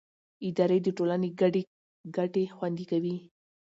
اداره د ټولنې ګډې ګټې خوندي کوي.